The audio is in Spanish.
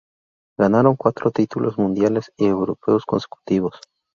Ganaron cuatro títulos mundiales y europeos consecutivos.